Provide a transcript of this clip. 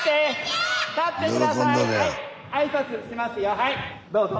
はいどうぞ。